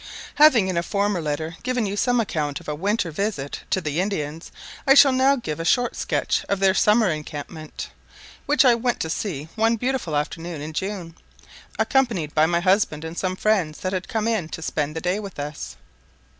HAVING in a former letter given you some account of a winter visit to the Indians, I shall now give a short sketch of their summer encampment, which I went to see one beautiful afternoon in June, accompanied by my husband and some friends that had come in to spend the day with us.